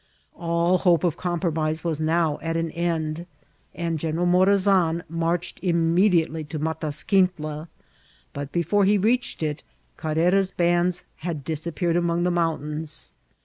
All hope of compromise was now at an end, and General Morazan marched inunediately to Matasquint* la ; but before he reached it^Carrera's bands had disap* peered among the mountains.